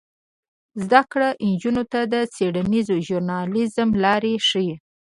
زده کړه نجونو ته د څیړنیز ژورنالیزم لارې ښيي.